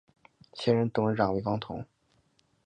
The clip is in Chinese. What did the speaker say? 现任董事长为王炯。